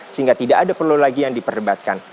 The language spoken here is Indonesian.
sehingga tidak ada perlu lagi yang diperdebatkan